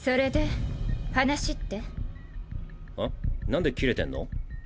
なんでキレてんの？